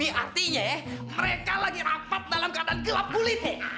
ini artinya ya mereka lagi rapat dalam keadaan gelap kulit